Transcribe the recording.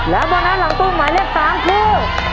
แล้วโบนัสหลังตู้หมายเลขสามคือ